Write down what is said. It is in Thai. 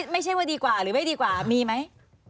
ไม่ใช่ว่าดีกว่าหรือไม่ดีกว่ามีไหม